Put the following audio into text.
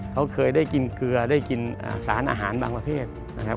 เขาเคยได้กินเกลือได้กินสารอาหารบางประเภทนะครับ